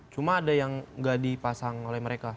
cuma ada yang nggak dipasang oleh mereka